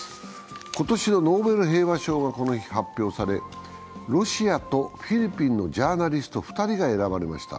今年のノーベル平和賞がこの日発表されロシアとフィリピンのジャーナリスト２人が選ばれました。